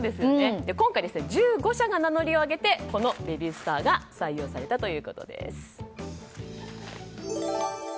今回１５社が名乗りを上げてこのベビースターが採用されたということです。